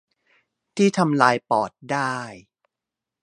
ที่ทำลายปอดได้